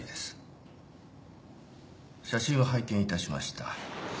写真は拝見致しました。